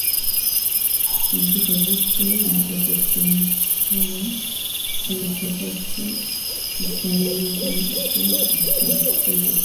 Computers excel in processing power, storage capacity, customization options, and connectivity.